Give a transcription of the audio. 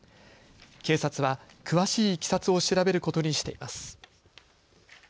警察は詳しいいきさつを調べることにしています。